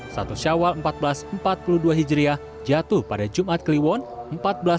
satu syawal seribu empat ratus empat puluh dua hijriah jatuh pada jumat kliwon empat belas mei dua ribu dua puluh satu